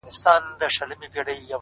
چي سترگو ته يې گورم” وای غزل لیکي”